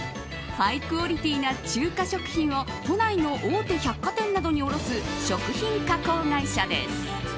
ハイクオリティーな中華食品を都内の大手百貨店などに卸す食品加工会社です。